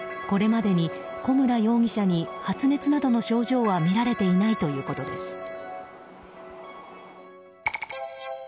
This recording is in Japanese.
これまでに古村容疑者に発熱などの症状は見られていないということです。